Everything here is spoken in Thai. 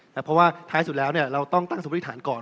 เพราะว่าท้ายสุดแล้วเราต้องตั้งสมมติฐานก่อน